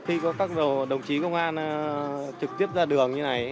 khi có các đồng chí công an trực tiếp ra đường như này